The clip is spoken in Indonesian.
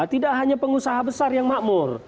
tidak hanya pengusaha besar yang makmur